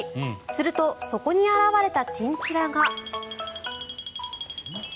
するとそこに現れたチンチラが。